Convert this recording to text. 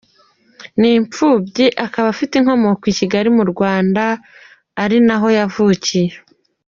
Ni imfubyi akaba afite inkomoko i Kigali mu Rwanda, ari na ho yavukiye.